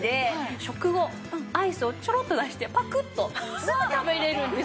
食後アイスをちょろっと出してパクッとすぐ食べられるんです。